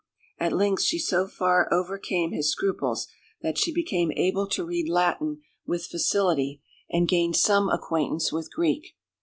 At length she so far overcame his scruples that she became able to read Latin with facility, and gained some acquaintance with Greek.